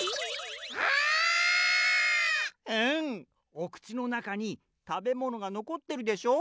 おくちのなかにたべものがのこってるでしょう？